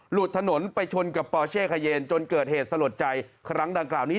หลุดถนนไปชนกับปอเช่ขเยนจนเกิดเหตุสลดใจครั้งดังกล่าวนี้